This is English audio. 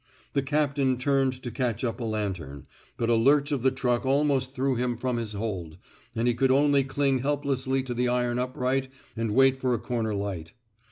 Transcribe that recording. The captain turned to catch up a lantern, but a lurch of the truck almost threw him from his hold, and he could only cling help lessly to the iron upright and wait for a comer light.